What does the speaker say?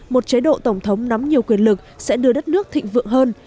một chế độ tổng thống nắm nhiều quyền lực sẽ đưa đất nước thịnh vượng hơn